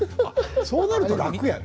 そうなると楽やね。